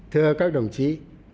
thưa các đồng chí